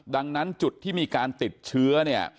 ดังนั้นจุดที่มีการติดเชื้อเนี่ย